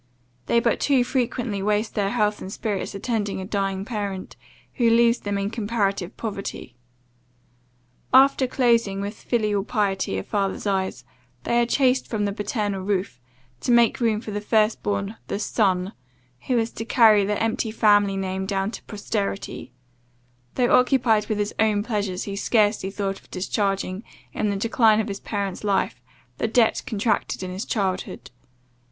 They but too frequently waste their health and spirits attending a dying parent, who leaves them in comparative poverty. After closing, with filial piety, a father's eyes, they are chased from the paternal roof, to make room for the first born, the son, who is to carry the empty family name down to posterity; though, occupied with his own pleasures, he scarcely thought of discharging, in the decline of his parent's life, the debt contracted in his childhood.